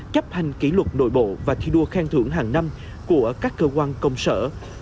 chấp hành kỷ luật nội bộ và thi đua khen thưởng hàng năm của các cơ quan công sở